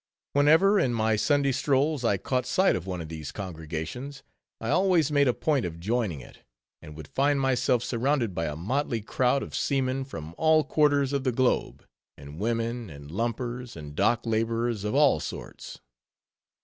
Whenever, in my Sunday strolls, I caught sight of one of these congregations, I always made a point of joining it; and would find myself surrounded by a motley crowd of seamen from all quarters of the globe, and women, and lumpers, and dock laborers of all sorts.